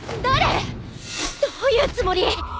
どういうつもり？